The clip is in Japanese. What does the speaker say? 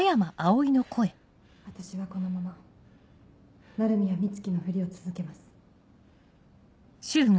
私はこのまま鳴宮美月のふりを続けます